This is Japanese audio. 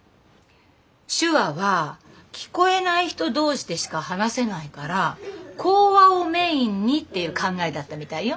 手話は聞こえない人同士でしか話せないから口話をメインにっていう考えだったみたいよ。